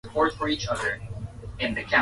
dhidi ya kambi za jeshi mashariki mwa nchi hiyo